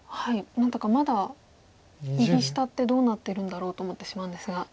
何だかまだ右下ってどうなってるんだろうと思ってしまうんですが